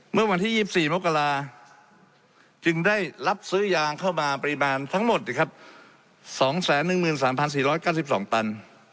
เมื่อวันที่๒๔มกราจึงได้รับซื้อยางเข้ามาปริมาณทั้งหมด๒๑๓๔๙๒ตัน